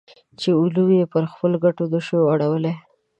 چې علوم پر خپلو ګټو نه شو اړولی.